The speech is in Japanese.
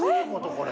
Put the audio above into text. これ。